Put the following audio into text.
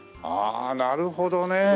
ああなるほどね。